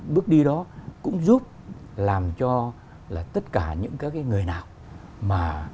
và cái bước đi đó cũng giúp làm cho là tất cả những cái người nào mà